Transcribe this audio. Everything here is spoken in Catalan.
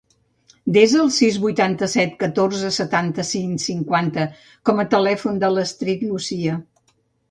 Desa el sis, vuitanta-set, catorze, setanta-cinc, cinquanta com a telèfon de l'Astrid Lucia.